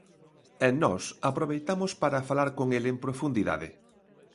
E nós aproveitamos para falar con el en profundidade.